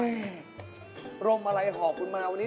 รมอะไรหอบคุณมาวันนี้